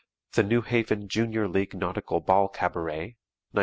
The New Haven "Junior League Nautical Bal Cabaret," 1925.